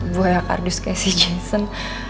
buaya kardus kayak si jason